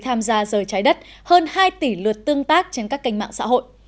tham gia giờ trái đất hơn hai tỷ lượt tương tác trên các kênh mạng xã hội